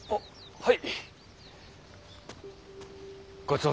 はい。